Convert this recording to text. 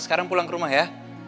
sekarang pulang ke rumah ya